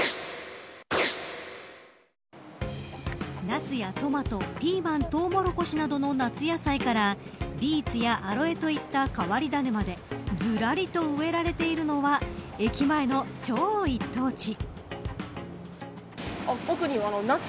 ナスやトマトピーマン、トウモロコシなどの夏野菜からビーツやアロエといった変わり種までずらりと植えられているのは駅前の超一等地。